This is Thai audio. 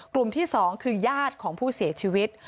ที่๒คือญาติของผู้เสียชีวิต